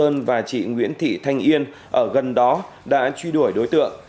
hồ công sơn và chị nguyễn thị thanh yên ở gần đó đã truy đuổi đối tượng